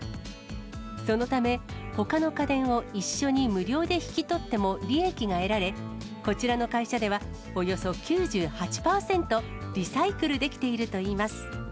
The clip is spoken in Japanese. そのため、ほかの家電を一緒に無料で引き取っても利益が得られ、こちらの会社では、およそ９８％リサイクルできているといいます。